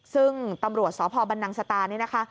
ซึ่งตำรวจสพบันนังสตานี่นะคะ